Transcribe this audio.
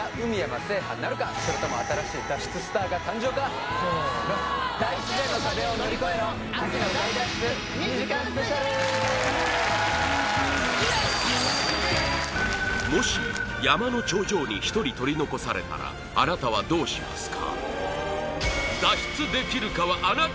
せーのよしっもし山の頂上に一人取り残されたらあなたはどうしますか？